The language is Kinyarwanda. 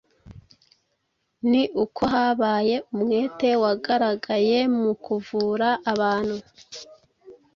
ni uko habaye umwete wagaragaye mu kuvura abantu,